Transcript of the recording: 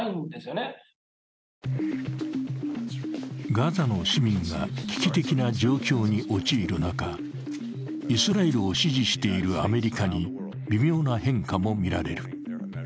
ガザの市民が危機的な状況に陥る中、イスラエルを支持しているアメリカに微妙な変化も見られる。